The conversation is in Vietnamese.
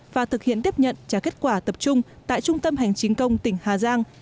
và thực hiện tiếp nhận trả kết quả tập trung tại trung tâm hành chính công tỉnh hà giang